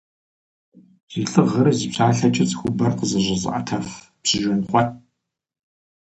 Зи лӏыгъэрэ зи псалъэкӏэ цӏыхубэр къызэщӏэзыӏэтэф пщыт Жэнхъуэт.